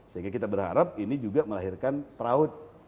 sehingga kita berharap ini juga melahirkan perahu